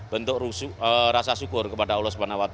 bentuk rasa syukur kepada allah swt